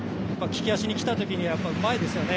利き足に来たときにはうまいですよね。